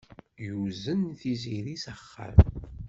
Yuzen Tiziri s axxam.